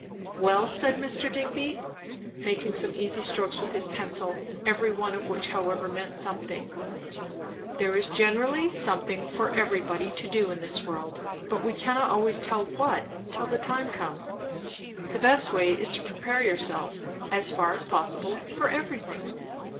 "Well," said Mr. Digby, making some easy strokes with his pencil, every one of which however meant something, "there is generally something for everybody to do in this world; but we cannot always tell what, till the time comes. The best way is to prepare yourself, as far as possible, for everything."